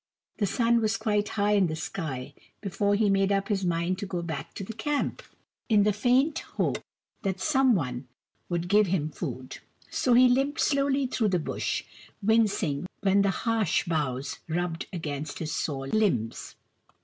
The sun was quite high in the sky before he made up his mind to go back to the camp, in the faint hope that some one would give him food. So he limped slowly through the Bush, wincing when the harsh boughs rubbed against his sore limbs.